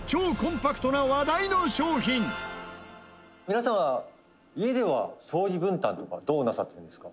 「皆さんは、家では掃除分担とかどうなさってるんですか？」